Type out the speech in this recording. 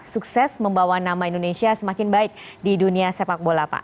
sukses membawa nama indonesia semakin baik di dunia sepak bola pak